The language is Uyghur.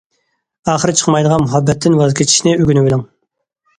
ئاخىرى چىقمايدىغان مۇھەببەتتىن ۋاز كېچىشنى ئۆگىنىۋېلىڭ.